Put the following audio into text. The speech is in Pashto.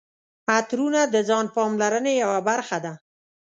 عطرونه د ځان پاملرنې یوه برخه ده.